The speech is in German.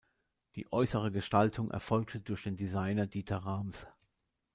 Die äußere Gestaltung erfolgte durch den Designer Dieter Rams.